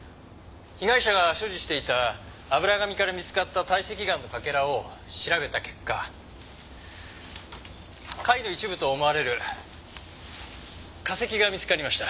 「被害者が所持していた油紙から見つかった堆積岩のかけらを調べた結果貝の一部と思われる化石が見つかりました」